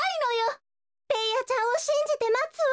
ベーヤちゃんをしんじてまつわ。